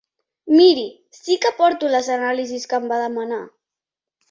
Miri, sí que porto les anàlisis que em va demanar.